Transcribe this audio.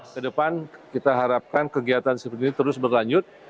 kedepan kita harapkan kegiatan seperti ini terus berlanjut